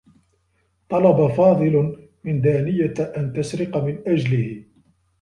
طلب فاضل من دانية أن تسرق من أجله.